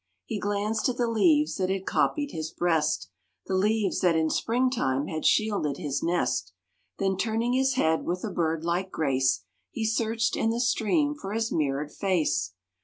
He glanced at the leaves, that had copied his breast, The leaves that in springtime had shielded his nest; Then turning his head with a bird like grace, He searched in the stream for his mirrored face.